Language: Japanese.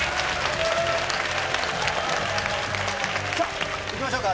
さあ、いきましょうか。